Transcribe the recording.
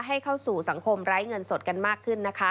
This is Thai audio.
ให้เข้าสู่สังคมไร้เงินสดกันมากขึ้นนะคะ